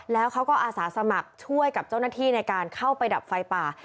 แล้วเขาก็อาสาสมัครช่วยกับเจ้าหน้าที่ในการเข้าไปดับไฟป่า